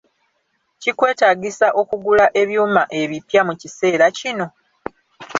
Kikwetaagisa okugula ebyuma ebipya mu kiseera kino?